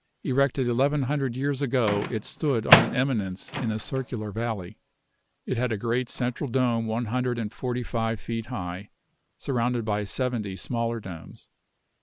Erected eleven hundred years ago, it stood on an eminence in a circular valley. It had a great central dome one hundred and forty five feet high, surrounded by seventy smaller domes.